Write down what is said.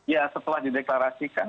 ya setelah dideklarasikan